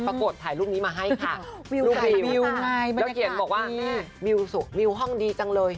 ปรากฏถ่ายรูปนี้มาให้ค่ะวิววิวไงบรรยากาศวิววิวห้องดีจังเลย